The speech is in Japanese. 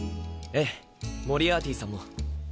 ええモリアーティさんも。